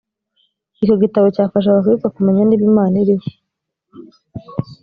icyo gitabo cyafasha abakristo kumenya niba imana iriho